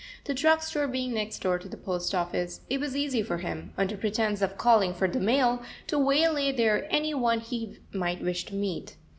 The drug store being next door to the post office, it was easy for him, under pretence of calling for the mail, to waylay there any one he might wish to meet.